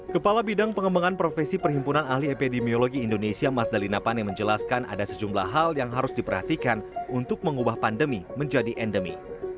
kepala bidang pengembangan profesi perhimpunan ahli epidemiologi indonesia mas dalina pane menjelaskan ada sejumlah hal yang harus diperhatikan untuk mengubah pandemi menjadi endemi